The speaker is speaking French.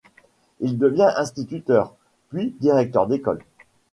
Il devient instituteur, puis directeur d'école.